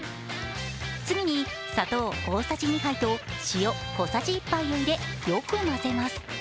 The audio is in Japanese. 次に砂糖大さじ２杯と塩小さじ１杯を入れ、よく混ぜます。